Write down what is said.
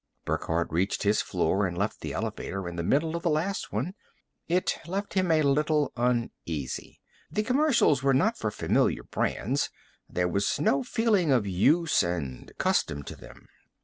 Burckhardt reached his floor and left the elevator in the middle of the last one. It left him a little uneasy. The commercials were not for familiar brands; there was no feeling of use and custom to them.